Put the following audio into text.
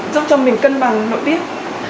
giúp cho mình cân bằng nội tiết